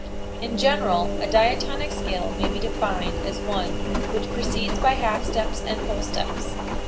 In general a diatonic scale may be defined as one which proceeds by half steps and whole steps.